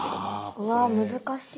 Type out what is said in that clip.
うわ難しい。